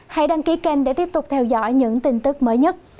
hãy đăng ký kênh để tiếp tục theo dõi những tin tức mới nhất